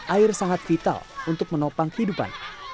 air sangat vital untuk menopang kehidupan